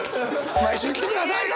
毎週来てください！